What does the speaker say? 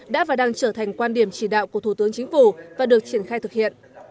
đã và đang trở thành quan điểm chỉ đạo của thủ tướng chính phủ và được triển khai thực hiện